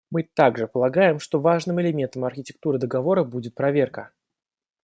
Мы также полагаем, что важным элементом архитектуры договора будет проверка.